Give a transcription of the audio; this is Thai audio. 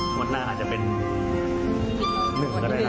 มัวหน้าจะเป็น๑ก็ได้นะ